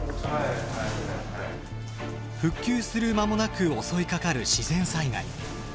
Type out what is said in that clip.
復旧する間もなく襲いかかる自然災害。